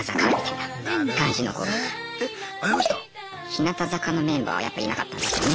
日向坂のメンバーはやっぱいなかったですよね。